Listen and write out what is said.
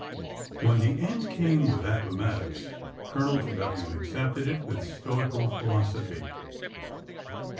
When the end came with Appomattox, Colonel Tre vilian accepted it with stoical philosophy.